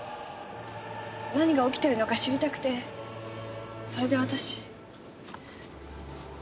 何が起きてるのか知りたくてそれで私。